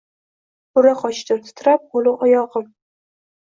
Ura qochdim, titrab qo’lu oyog’im